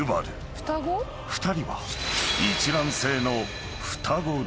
［２人は一卵性の］